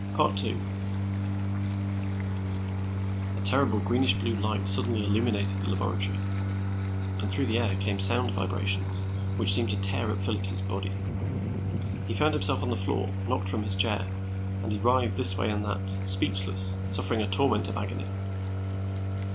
A terrible greenish blue light suddenly illuminated the laboratory, and through the air there came sound vibrations which seemed to tear at Phillips' body. He found himself on the floor, knocked from his chair, and he writhed this way and that, speechless, suffering a torment of agony.